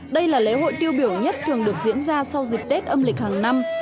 đây là lễ hội tiêu biểu nhất thường được diễn ra sau dịp tết âm lịch hàng năm